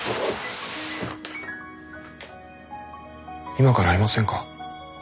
今から会いませんか？